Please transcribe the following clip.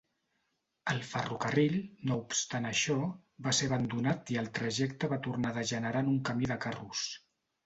El ferrocarril, no obstant això, va ser abandonat i el trajecte va tornar a degenerar en un camí de carros.